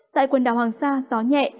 tại quần đảo hoàng sa gió nhẹ